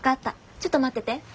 ちょっと待ってて。